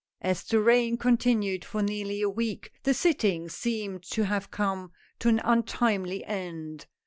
As the rain continued for nearly a week, the sittings seemed to have come to an untimely end.